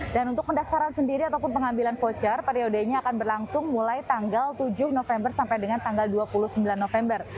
dan untuk pendaftaran sendiri ataupun pengambilan voucher periodenya akan berlangsung mulai tanggal tujuh november sampai dengan tanggal dua puluh sembilan november